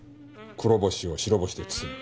黒星を白星で包む。